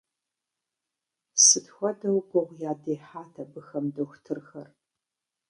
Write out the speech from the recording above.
Сыт хуэдэу гугъу ядехьат абыхэм дохутырхэр!